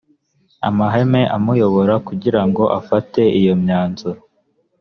amahame amuyobora kugira ngo afate iyo myanzuro